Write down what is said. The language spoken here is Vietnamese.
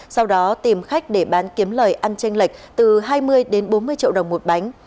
sau đó tìm khách để bán kiếm lời ăn tranh lệch từ hai mươi đến bốn mươi triệu đồng một bánh